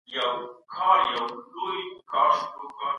موږ مکلف یو چي له خپلو ملي شتمنیو سمه ساتنه وکړو.